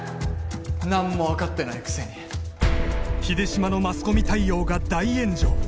何も分かってないくせに秀島のマスコミ対応が大炎上！